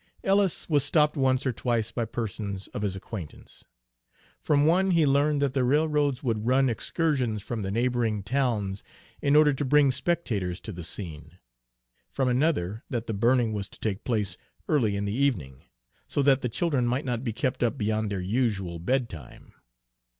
Ellis was stopped once or twice by persons of his acquaintance. From one he learned that the railroads would run excursions from the neighboring towns in order to bring spectators to the scene; from another that the burning was to take place early in the evening, so that the children might not be kept up beyond their usual bedtime.